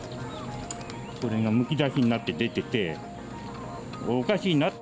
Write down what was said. これがむき出しになって出てて、おかしいなと。